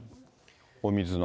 お水の。